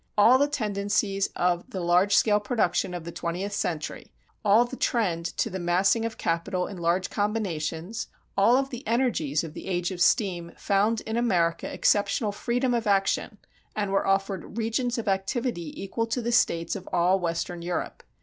All the tendencies of the large scale production of the twentieth century, all the trend to the massing of capital in large combinations, all of the energies of the age of steam, found in America exceptional freedom of action and were offered regions of activity equal to the states of all Western Europe.